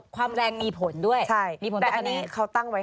ความแรงมีผลด้วยมีผลแปลกกันไงครับแนนใช่แต่อันนี้เขาตั้งไว้๕